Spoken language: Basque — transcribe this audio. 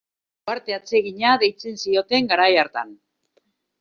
Uharte atsegina deitzen zioten garai hartan.